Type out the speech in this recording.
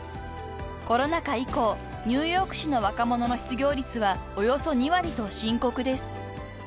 ［コロナ禍以降ニューヨーク市の若者の失業率はおよそ２割と深刻です］